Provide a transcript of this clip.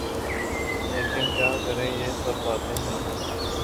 لیکن کیا کریں یہ سب باتیں ہی ہیں۔